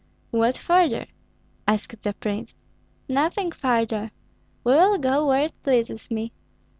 "What further?" asked the prince. "Nothing further! We will go where it pleases me.